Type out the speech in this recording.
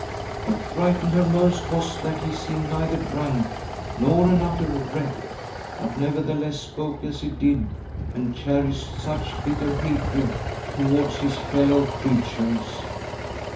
What frightened her most was that he seemed neither drunk nor an. utter wreck, but nevertheless spoke as he did, and cherished such bitter hatred towards his fellow creatures.